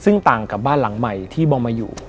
ซึ่งต่างกับบ้านหลังใหม่ที่บอมมาอยู่